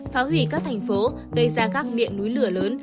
phá hủy các thành phố gây ra các miệng núi lửa lớn